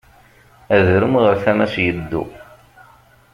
Adrum ɣer tama-s yeddu.